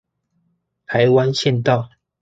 臺灣縣道